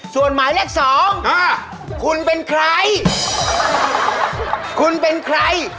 ส่วนหมายเลขสองคุณเป็นใครคุณเป็นใคร